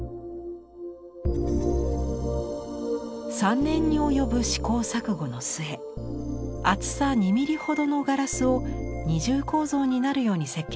３年に及ぶ試行錯誤の末厚さ２ミリほどのガラスを二重構造になるように設計しました。